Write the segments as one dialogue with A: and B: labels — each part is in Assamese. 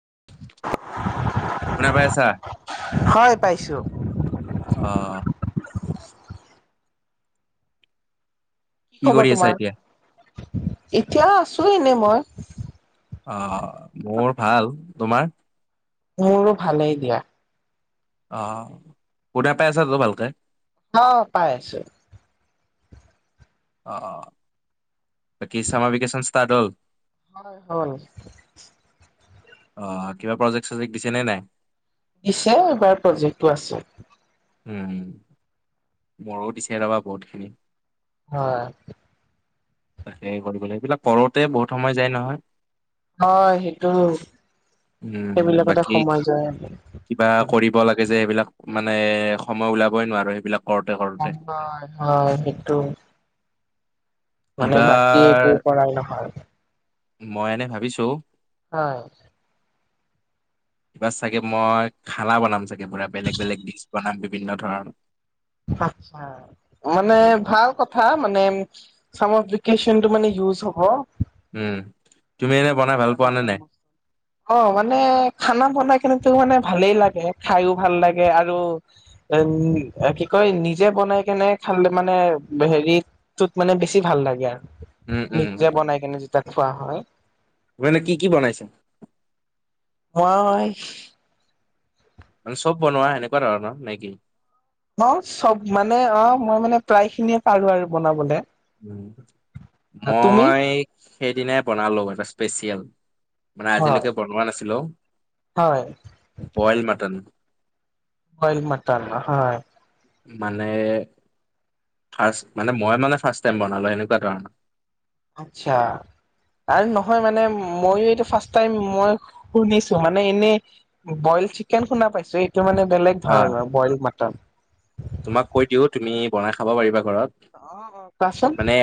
A: [inaudible]
B: শুনা পাই আছা।
A: [unintelligible]
B: অ'। কি কৰি আছা এতিয়া?
A: এতিয়াও আছো এনে মই।
B: অ' মোৰ ভাল তোমাৰ।
A: মোৰো ভালেই দিয়া।
B: অ' শুনা পাই আছাতো ভালকে।
A: অ' পাই আছো।
B: অ' বাকী [unintelligible] হল।
A: হল।
B: অ' কিবা প্ৰজেক্ট চজেক্ট দিছে নে নাই।
A: দিছে এইবাৰ প্ৰজেক্টটো আছে।
B: উম মোৰো দিছে ৰবা বহুতখিনি।
A: হয়।
B: তাকে কৰিব সেইবিলাক কৰোতে বহুত সময় যায় নহয়।
A: হয় সেইটো।
B: উম
A: সেইবিলাকতে
B: বাকী
A: সময় যায়
B: কিবা কৰিব লাগে যে এইবিলাক মানে সময় উলাবই নোৱাৰো সেইবিলাক। কৰোতে কৰোতে।
A: [unintelligible] সেইটো। মানে বাকি
B: এইবাৰ
A: একো কৰা নহয়।
B: মই এনে ভাবিছো।
A: হয়।
B: কিবা চাগে মই খানা বনাম চাগে পুৰা বেলেগ বেলেগ ডিচ বনাম। বিভিন্ন ধৰ
A: আচ্ছা মানে ভাল কথা [unintelligible] মানে ইউজ হব।
B: উম। তুমি এনে বনাই ভাল পোৱা নে নাই?
A: অ' মানে খানা বনাই কিন্তু মানে ভালেই লাগে খাইও ভাল লাগে আৰু এ কি কয় নিজে বনাই কেনে খালে মানে হেৰিটোত মানে বেছি ভাল লাগে আৰু।
B: উম, উম, উম।
A: নিজে বনাই কেনে যেতিয়া খোৱা হয়।
B: মানে কি কি বনাইছে?
A: মই
B: চব বনোৱা সেনেকুৱা ধৰণৰ নেকি।
A: ন চব মানে অ' মই মানে প্ৰায় খিনিয়ে পাৰো আৰু বনাবলে। তুমি
B: মই সেইদিনাই বনালো এটা স্পেচিয়েল। মানে
A: হয়
B: আজিলৈকে বনোৱা নাছিলো
A: হয়
B: বইল মাটন।
A: বইল মাটান হয়।
B: মানে ফাৰ্ষট মানে মই মানে ফাৰ্ষ্ট টাইম বনালোঁ এনেকুৱা ধৰণৰ।
A: আচ্ছা। আৰু নহয় মানে ময়ো এইটো ফাৰ্ষ টাই মই শুনিছো মানে এনে বয় চিকেন শুনা পাইছো এইটো মানে বেলেগ
B: অ',
A: ধৰণৰ বইল মাটন।
B: তোমাক কৈ দিও তুমি বনাই খাব পাৰিবা ঘৰত
A: কোৱাচোন।
B: মানে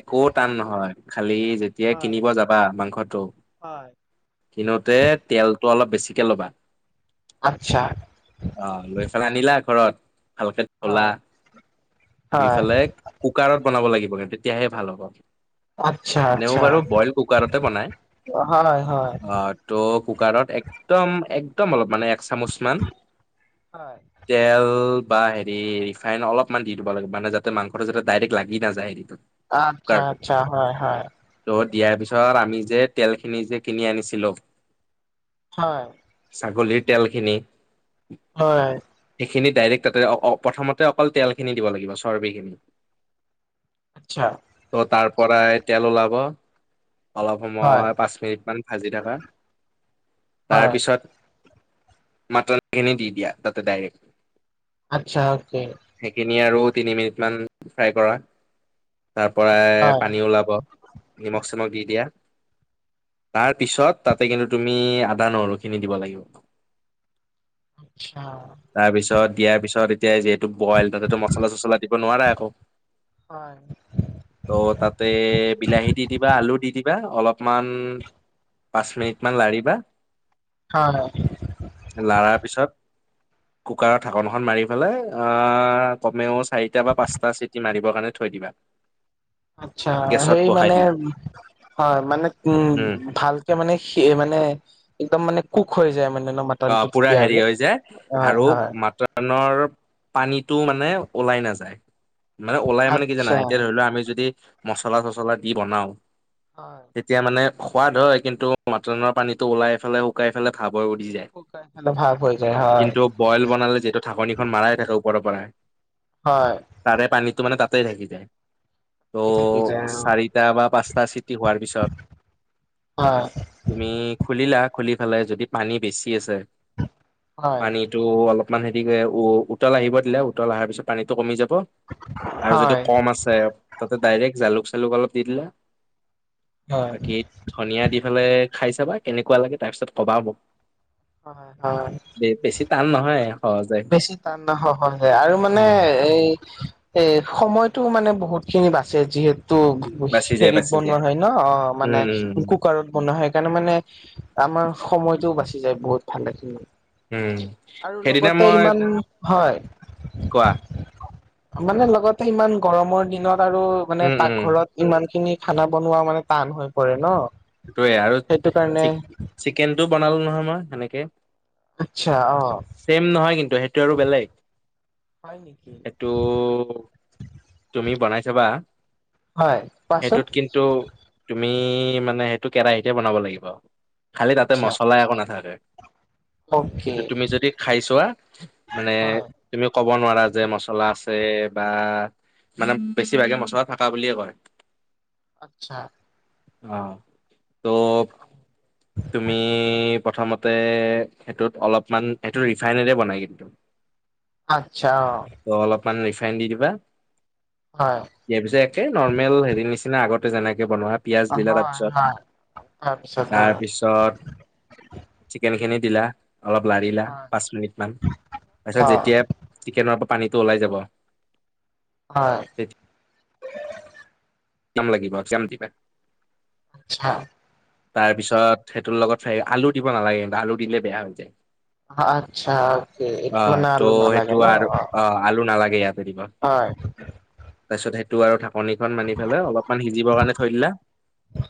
B: একো টান নহয়। খালি যেতিয়াাই
A: হয়,
B: কিনিব যাবা মাংসটো
A: হয়।
B: কিনোতে তেলটো অলপ বেছিকে ল'বা
A: আচ্ছা।
B: অ' লৈ পেলাই আনিলা ঘৰত ভালকে তলা
A: হয়। হয়,
B: দুইফালে কুকাৰত বনাব লাগিব কি তেতিয়াহে ভাল হ'ব।
A: আচ্ছা,
B: এনেও
A: আচ্ছা,
B: বাৰু বইল কুকাৰতে বনাই
A: হয়, হয়।
B: আহ ত' কুকাৰত একদম একদম অলপ মানে এক চামুচমান
A: হয়।
B: তেল। বা হে ৰিফাইন অলপমান দি দিব লাগ মানে যাতে মাংসটো যাতে ডাইৰেক্ট লাগি নাযায় হেত
A: আচ্ছা আচ্ছা হয় হয়।
B: ত' দিয়াৰ পিছত আমি যে তেলখিনি যে কিনি আনিছিলো।
A: হয়।
B: ছাগলীৰ তেলখিনি
A: হয়।
B: খিনি ডাইৰেক্ট তাতে অ প্ৰথমতে অকল তেলখিনি দিব লাগিব চৰ্বি খিনি
A: আচ্ছা,
B: ত' তাৰ পৰাই তেল ওলাব। অলপ
A: হয়।
B: সময় পাঁচ মিনিট মান ভাজি থকা, তাৰ
A: হয়,
B: পিছত মটনখিনি দি দিয়া তাতে ডাইৰেক্ট
A: আচ্ছা, অকে।
B: তিনি আৰু তিনি মিনিটমান ফ্ৰাই কৰা। তাৰ পৰাই
A: হয়,
B: পানী ওলাব নিমখ চিমখ দি দিয়া। তাৰ পিছত তাতে কিন্তু তুমি আদা নহৰু খিনি দিব লাগিব। [unintelligible]
A: [unintelligible]
B: তাৰপিছত দিয়াৰ পিছত এতিয়া যিহেতু বইল তাতেতো মচলা চছলা দিব নোৱাৰে একো
A: হয়।
B: ত' তাতে বিলাহী দি দিবা আলু দি দিবা অলপ। অলপমান পাঁচ মিনিট মান লাৰিবা
A: হয়,
B: লাৰাৰ পিছত কুকাৰৰ ঢাকনখন মাৰি ফেলাই অ' কমেও চাৰিটা বা পাঁচটা চিটি মাৰিব কাৰণে থৈ দিব
A: আচ্ছা সেই
B: বহাই
A: মানে
B: দিলা
A: হয়, মানে উম ভালকে মানে সে মানে একদম মানে কুক হৈ যায় মানে। ন
B: অ'
A: মটনটো
B: পুৰা
A: তেতিয়া
B: হেৰি
A: আৰু
B: হৈ যায়
A: হয়,
B: আৰু
A: হয়,
B: মটনৰ পানীতটো মানে ওলাই নাযায় মানে ওলাই মানে কি
A: আচ্ছা।
B: জানাই এতিয়া ধৰি লোৱা আমি যদি মচলা চছলা দি বনাও
A: হয়,
B: তেতিয়া মানে সোৱাদ হয়, কিন্তু মটনৰ পানীটো ওলাই ফেলে শুকাই ফেলে খাব [unintelligible]
A: শুকাই খালে ভাল হৈ যায় হয়,
B: কিন্তু বইল বনালে যিহেতু ঢাকনিখন মাৰাই থাকে। ওপৰৰপৰা
A: হয়।
B: তাৰে পানীটো মানে তাতেই থাকি যায়। ত'
A: থাকি যায়
B: চাৰিটা বা পাঁচটা চিটি হোৱাৰ পিছত
A: অ হয়
B: তুমি খুুলিলা খুলি ফালে যদি পানী বেছি আছে
A: হয়
B: পানীটো অলপ ইমান হেৰিকে উ উতল আহিব দিলে, উতল অহাৰ পিছত পানীটো কমি যাব। আৰু যদি
A: হয়
B: কম আছে তাতে ডাইৰেক্ট জালুক চালুক অলপ দি দিলে
A: হয়
B: বাকী ধনীয়া দি ফালে খাই চাবা, কেনেকুৱা লাগে তাৰ পিছত কবা মোক
A: হয় হয়
B: বে বেছি টান নহয়। সহজে
A: বেছি টান নহয় সহজে আৰু মানে
B: উম
A: এই এ সময়টো মানে বহুত খিনি বাছে যিহেতু তো
B: বাচি
A: [unintelligible]
B: যায়
A: হেৰিত
B: বাচি
A: বনোৱা
B: যায়
A: হয় ন অ মানে
B: উম উম উম
A: কুকাৰত বনোৱা হয় সেইকাৰণে মানে আমাৰ সময়তও বাছি যায় বহুত ভালেখিনি।
B: উম, হেৰি।
A: তাতে ইমান, হয়।
B: কোৱা
A: মানে লগতে ইমান গৰমৰ দিনত আৰু মানে
B: উম উম
A: পাকঘৰত ইমানখিনি খানা বনোৱা মানে টান হৈ পৰে ন।
B: সেইটোৱে আৰু
A: সেইটো কাৰণে
B: চি চিকেনটো বনালো নহয় মই সেনেকে।
A: আচ্ছা অ
B: [inaudible] চেম নহয় কিন্তু সেইটো আৰু বেলেগ।
A: হয় নেকি
B: এইটো তুমি বনাই চাবা
A: হয় কোৱাচোন
B: সেইটোত কিন্তু তুমি আমি মানে সেইটো কেৰাহিতে বনাব লাগিব খালি তাতে
A: আচ্ছা
B: মছলা একো নাথাকে।
A: অকে
B: কিন্তু তুমি যদি খাই চোৱা মানে
A: হয়
B: তুমি ক'ব নোৱাৰা যে মছলা আছে বা মানে বেছিভাগে মছলা থাকা বুলিয়ে কয়।
A: আচ্ছা।
B: অঁ ত', তুমি প্ৰথমতে সেইটোত অলপমান সেইটো ৰিফাইনেৰে বনাই কিন্তু।
A: আচ্ছা অ
B: মানে ৰিফাইন দি দিবা
A: হয়
B: ইয়াৰ পিছে একে নৰ্মেল হেৰিৰ নিচিনা আগতে যেনে বনোৱা পিয়াজ দিলা তাৰ
A: হয়
B: পিছত
A: হয় তাৰপিছত
B: তাৰ
A: হয়
B: পিছত চিকেনখিনি দিলা। অলপ লাৰিলা
A: হয়
B: পাঁচ মিনিটমান, তাৰ পিছত
A: অ
B: যেতিয়া চিকেনৰ পানীটো ওলাই যাব
A: হয়।
B: তেতিয়া [unintelligible] লাগিব [unintelligible] দিবা।
A: হয়।
B: তাৰ পিছত সেইটোৰ লগত হেৰি আলু দিব নালাগে কিন্তু আলু দিলে বেয়া হৈ যায়।
A: আচ্ছা অকে
B: [inaudible] অ
A: এইটোত মানে আলু
B: ত'
A: নালাগে
B: সেইটো
A: ন
B: আৰু
A: অ
B: অঁ আলু নালাগে ইয়াতে দিব।
A: হয়।
B: তাৰ পিছত সেই টো আৰু ঢাকনিখন মাৰি পেলাই অলপমান সিজিব কাৰণে থৈ দিলা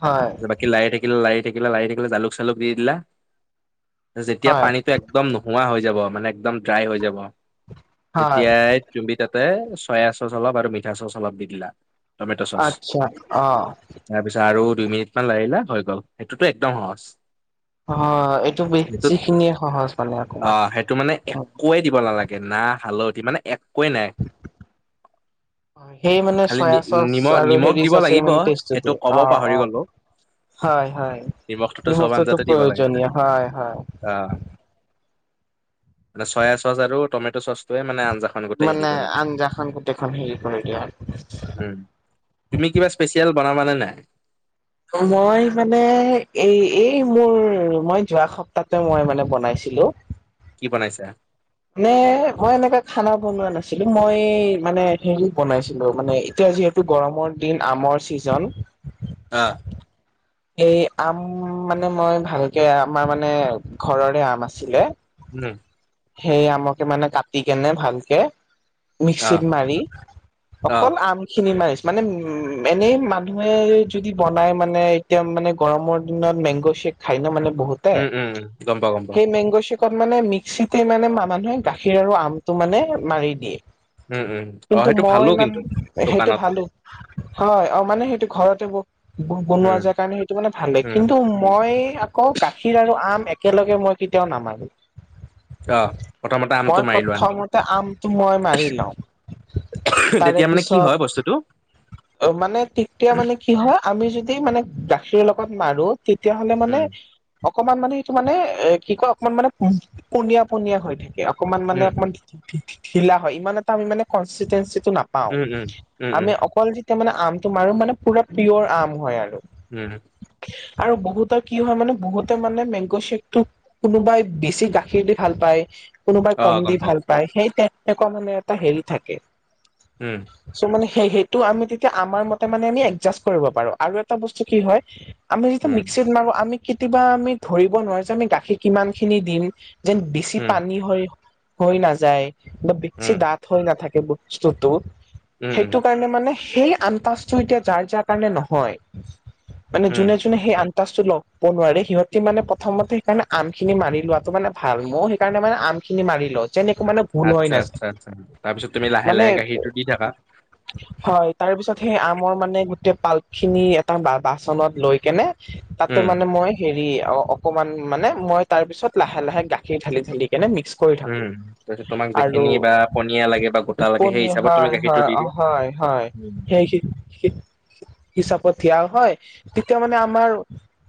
A: হয়
B: বাকী লাৰি থাকি লাৰি থাকিলা লাৰি থাকিলা জালুক-চালুক দি দিলা যেতিয়া
A: হয়
B: পানীটো একদম নোহোৱা হৈ যাব মানে একদম ড্ৰাই হৈ যাব
A: হয়
B: তেতিয়াই তুমি তাতে চয়া চচ চ আৰু মিঠা চচ অলপ দি দিলা তমেট' চচ
A: আচ্ছা অ
B: তাৰ পিছত আৰু দুই মিনিটমান লাৰিলা হৈ গ'ল সেইটোতো একদম সহজ।
A: অ এইটো
B: [inaudible] সেটো
A: যিখিনিয়ে সহজ মানে
B: অ
A: অকমান
B: সেইটো মানে একোৱে দিব নালাগে ন না হালধি মানে একোৱে নাই।
A: সেই মানে
B: খালি নি
A: চয়া চচ
B: নিমখ
A: আৰু
B: নিমখ
A: হেৰি
B: দিব
A: চচে
B: লাগিব
A: মানে টেষ্টটো
B: সেইটো
A: দিয়ে,
B: ক'ব
A: অঁ
B: পাহৰি
A: অঁ।
B: গ'লো
A: হয় হয়
B: নিমখটোতো
A: এই
B: চব
A: বস্তুটো
B: আঞ্জাতে দিব লাগে
A: প্ৰয়োজনীয় হয় হয়।
B: আহ [inaudible] মানে চয়া চচ আৰু টমেট' চচ তে মানে আঞ্জাখন গোটেই হেৰি
A: মানে
B: কৰি দিয়ে,
A: আঞ্জাখন গোটেইখন হেৰি কৰি দিয়ে
B: উম। তুমি কিবা স্পেচিয়েল বনাবা নে নাই?
A: মই মানে এই এই মোৰ মই যোৱা সপ্তাহতে মই মানে বনাইছোঁ। হেল্ল।
B: কি বনাইছা?
A: নে মই এনেকোৱা খানা বনোৱা নাছিলো মই মানে হেৰি বনাইছিলোঁ মানে এতিয়া যিহেতু গৰমৰ দিন আমৰ ছিজন
B: আহ।
A: এই আম মানে মই ভালকে আমাৰ মানে ঘৰৰে আম আছিলে।
B: উম।
A: সেই আমকে মানে কাটি কেনে ভালকে
B: অ
A: মিক্সিত মাৰি
B: অ
A: অকল আম খিনি মাৰিছে। মানে উম এনেই মানুহে যদি বনাই মানে এতিয়া মানে গৰমৰ দিনত মেংগ' শ্বেক খাই ন মানে বহুতে
B: উম উম উম গম পাও গম পাও
A: সেই মেংগ' শ্বেক ত মানে মিক্সিতে মানে মানুহে গাখীৰ আৰু আমটো মানে মাৰি দিয়ে।
B: উম উম অ
A: কিন্তু
B: সেইটো
A: মই
B: ভালো
A: ইমান
B: কিন্তু
A: সেইটো
B: দোকানত
A: ভালো। হয় অ' মানে সেইটো ঘৰতে বো বনোৱা
B: উম
A: যায় কাৰণে সেইটো মানে ভালে,
B: উম
A: কিন্তু মই আকৌ গাখীৰ আৰু আম একেলগে মই কেতিয়াও নামাৰো।
B: অঁ।
A: মই প্ৰথমতে আমটো মই মাৰি লওঁ
B: তেতিয়া মানে কি হয় বস্তুটো?
A: অ মানে তেতিয়া মানে কি হয় আমি যদি মানে গাখীৰ লগত মাৰো তেতিয়াহলে মানে।
B: উম
A: অকমান মানে সেইটো মানে এ কি কয় অকমান মানে পনীয়া পণীয়া হৈ থাকে। অকমান মানে
B: উম
A: অকমান ঢিলা হয় ইমান এটা আমি মানে কংস্তিতেন নাপাও
B: উম উম উম
A: আমি
B: উম
A: অকল যেতিয়া মানে আমটো মাৰো মানে পুৰা পিয়ৰ আম হয় আৰু।
B: উম,।
A: আৰু বহুতৰ কি হয় মানে বহুতে মানে মেংগ শেকটো কোনোবাই বেছি গাখীৰ দি ভাল পায়। [unintelligible] কোনোবাই
B: অ
A: কম দি
B: গম পাও
A: ভাল পায় সেই তেনেকুৱা মানে এটা হেৰি থাকে
B: উম
A: চ' মানে। স সেইটো আমি তেতিয়া আমাৰ মতে মানে আমি এডজাষ্ট কৰিব পাৰো আৰু এটা বস্তু কি হয় আমি যেতিয়া
B: উম
A: মিক্সিত মাৰো আমি কেতিয়াবা আমি ধৰিব নোৱাৰো যে আমি গাখীৰ কিমান খিনি দিম। যেন বেছি
B: উম
A: পানী হৈ হৈ নাযায় বা বেছি
B: উম
A: দাঠ হৈ নাথাকে। সেই বস্তুটো
B: উম উম
A: সেইটো কাৰণে মানে সেই আনন্তাজটো এতিয়া যাৰ যাৰ কাৰণে নহয় মানে
B: উম
A: যোনে যোনে সেই আন আনতাজটো ল'ব নোৱাৰে সিহঁতি মানে প্ৰথমতে সেইকাৰণে আম খিনি মাৰি লোৱাটো মানে ভাল ময়ো সেইকাৰণে মানে আম খিনি মাৰি লও [unintelligible] মানে ভুল হয়
B: আচ্ছা,
A: নাযায়
B: আচ্ছা, আচ্ছা। তাৰপিছত তুমি লাহে
A: মানে
B: লাহে গাখীৰটো দি থাকা।
A: হয় তাৰ পিছত সেই আমৰ মানে গো পাল্প খিনি এটা বা বাচনত লৈ কেনে তাতে
B: উম,
A: মানে মই হেৰি অ' অকমান মানে মই তাৰ পিছত লাহে লাহে গাখীৰ ঢালি ঢালি। এনে মিক্স কৰি থাকো
B: উম। তাৰপিছত তোমাক
A: আৰু
B: যিখিনি বা পনীয়া লাগে বা গোটা লাগে সেই
A: পনি
B: হিচাপত তুমি
A: হয়
B: গাখীৰটো
A: হয়
B: দি
A: অ'।
B: দিয়া।
A: হয় হয়
B: উম,
A: সেই- হিচাপত দিয়া হয় তেতিয়া মানে আমাৰ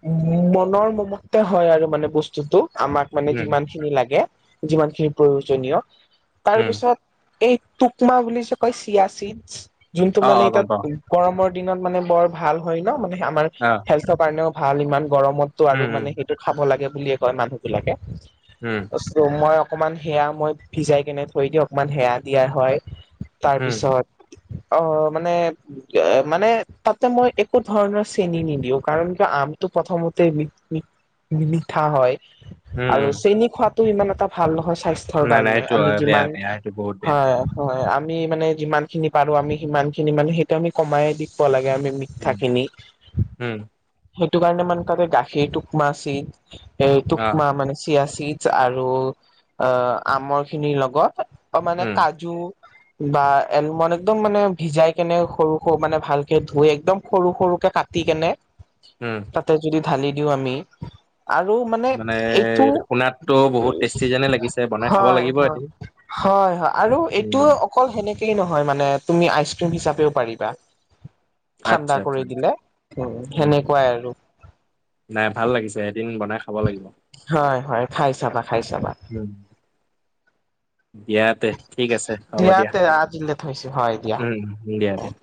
A: উ মনৰ মমতে হয় আৰু মানে বস্তুটো। আমাক মানে
B: উম,
A: যিমান খিনি লাগে যিমান খিনি প্ৰয়োজনীয়
B: উম।
A: তাৰপিছত এই টুকমা বুলি যে কয় চিয়াচিডছ যোনটো
B: অ',
A: মানে
B: অ',
A: এতিয়া
B: গম পাওঁ।
A: গৰমৰ দিনত মানে বৰ ভাল হয় ন' মানে আমাৰ
B: অ',
A: হেল্থৰ কাৰণেও ভাল ইমান। গৰমতটো আৰু
B: উম, উম,
A: মানে সেইটোত খাব লাগে বুলিয়ে কয় মানুহবিলাকে।
B: উম,
A: অ' চ' ময় অকমান সেয়া মই ভিজাই কেনে থৈ দি অকমান সেয়া দিয়া হয়।
B: উম,
A: তাৰপিছত অ', মানে এ, মানে তাত তে মই একো ধৰণৰ চেনি নিদিও কাৰণ আমটো প্ৰথমতে মি মি মি-মিঠা হয়
B: উম,
A: আৰু
B: উম।
A: চেনি খোৱাটো ইমান এটা ভাল নহয়চ স্বাস্থ্যৰ
B: নাই নাই
A: কাৰণে
B: সেইটো
A: আমি
B: হয় বেয়া
A: যিমান
B: বেয়া সেইটো বহুত বেয়া।
A: হয় হয় আ আমি মানে যিমান খিনি পাৰো আমি সিমান খিনি মানে সেইটো আমি কমায়ে দিপ্প লাগে। আমি মিঠঠা
B: উম,
A: খিনি
B: উম,
A: সেইটো কাৰণে মান তাতে গাখীৰ টোকমা আছিল। এ,
B: অ',
A: টোকমা মানে চিয়া চিতছ আৰু আ, আমৰ খিনিৰ লগত অ', মানে
B: উম,
A: কাজু। বা এলমন একদম মানে ভিজাই কেনে সৰু সৰু মানে ভালকে ধুইয়ে একদম সৰু সৰুকে কাটি কেনে
B: উম।
A: তাতে যদি ঢালি দিওঁ আমি। আৰু মানে এইটো
B: শুনাতটো বহুত টেষ্টি যেনে লাগিছে বনাই খাব
A: হয়,
B: লাগিব
A: হয়।
B: এদিন।
A: হয় হয়, আৰু এইটো
B: উম,
A: অকল সেনেকে টি নহয় মানে তুমি আইচক্ৰীম হিচাপেও পাৰিবা। ঠাণ্ডা
B: আচ্ছা, আচ্ছা,
A: কৰি দিলে, হম
B: উম।
A: সেনেকুৱাই আৰু।
B: নাই ভাল লাগিছে এদিন বনাই খাব লাগিব।
A: হয় হয় খাই চাবা খাই চাবা।
B: বিয়াত তে ঠিক আছে হ'ব দিয়া।
A: তে আজিলে থৈছো হয় দিয়া
B: উম, দিয়া দিয়া।